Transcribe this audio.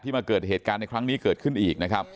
มาเกิดเหตุการณ์ในครั้งนี้เกิดขึ้นอีกนะครับ